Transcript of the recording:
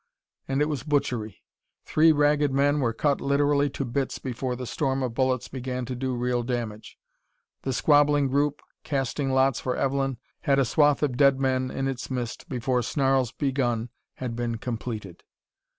And it was butchery. Three Ragged Men were cut literally to bits before the storm of bullets began to do real damage. The squabbling group, casting lots for Evelyn, had a swathe of dead men in its midst before snarls begun had been completed.